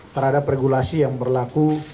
terhadap regulasi yang berlaku